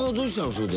それで。